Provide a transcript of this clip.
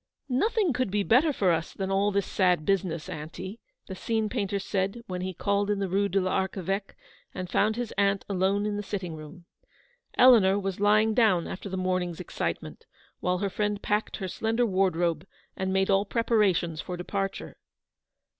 " Nothing could be better for us than all this sad business, aunty," the scene painter said when he called in the Rue de l'Archeveque, and found his aunt alone in the little sitting room. Eleanor was lying down after the morning's excitement, while her friend packed her slender wardrobe and made all preparations for departure.